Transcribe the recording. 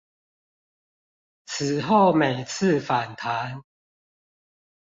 此後每次反彈